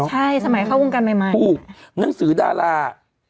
หนังสือดารา